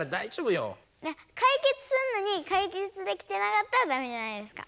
解決すんのに解決できてなかったらダメじゃないですか。